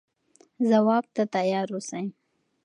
ځواب ته تیار اوسئ.